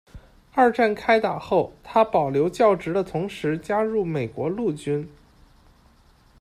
二战开打后，他保留教职的同时加入美国陆军。